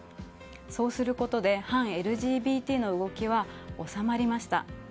そうすることで反ＬＧＢＴの動きは収まりました。